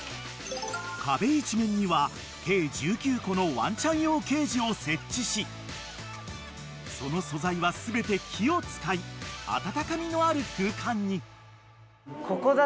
［壁一面には計１９個のワンちゃん用ケージを設置しその素材は全て木を使い温かみのある空間に］